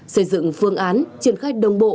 xây dựng phương án triển khai đồng bộ